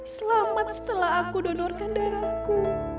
selamat setelah aku donorkan darahku